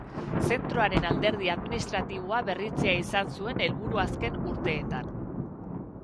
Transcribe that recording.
Zentroaren alderdi administratiboa berritzea izan zuen helburu azken urteetan.